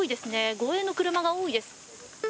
護衛の車が多いです。